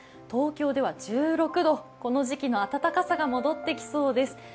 東京では１６度、この時期の暖かさが戻ってきそうです。